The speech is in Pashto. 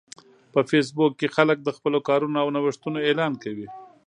په فېسبوک کې خلک د خپلو کارونو او نوښتونو اعلان کوي